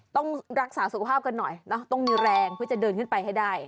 ต้องรักษาสุขภาพกันหน่อยเนอะต้องมีแรงเพื่อจะเดินขึ้นไปให้ได้